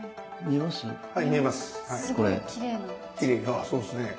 ああそうですね。